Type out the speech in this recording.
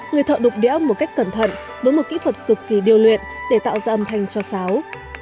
người thợ đục đẽo một cách cẩn thận với một kỹ thuật cực kỳ điêu luyện để tạo ra âm thanh cho sáo